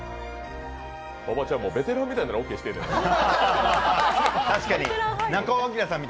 馬場ちゃんもベテランみたいなロケしてるやん。